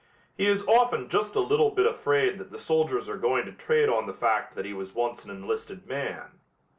He is often just a little bit afraid that the soldiers are going to trade on the fact that he was once an enlisted man.